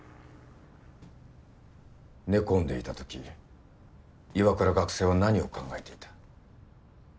寝込んでいた時岩倉学生は何を考えていた？